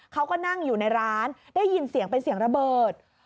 เขาก็นั่งอยู่ในร้านได้ยินเสียงเป็นเสียงระเบิด